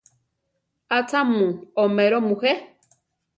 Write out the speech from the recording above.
¿ acha mu oméro mujé?